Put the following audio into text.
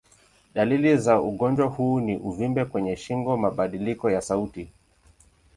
Dalili za ugonjwa huu ni uvimbe kwenye shingo, mabadiliko ya sauti.